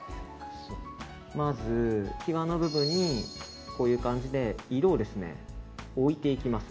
まず、きわの部分にこういう感じで色を置いていきます。